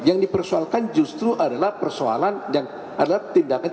yang dipersoalkan justru adalah persoalan dan adalah tindakan